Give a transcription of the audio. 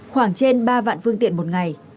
khoảng trên ba vạn phương tiện một ngày